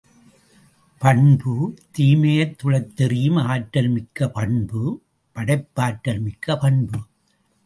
பண்பு, தீமையைத் துடைத் தெறியும் ஆற்றல் மிக்க பண்பு படைப்பாற்றல் மிக்க பண்பு.